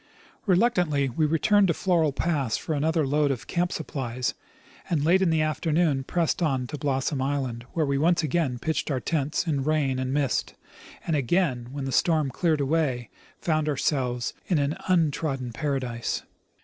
Reluctantly we returned to Floral j)ass for another load of camp supplies, and late in the afternoon pressed on to Blossom island, where we again pitched our tents in rain and mist, and again, when the storm cleared away, found ourselves in an un trodden paradise.